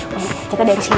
kita dari sini